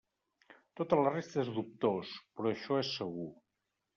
Tota la resta és dubtós, però això és segur.